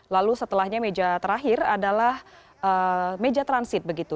lalu setelahnya meja terakhir adalah meja transit begitu